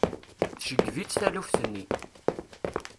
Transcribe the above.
Tceggeb-it taluft-nni.